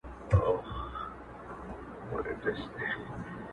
غوږ سه ورته.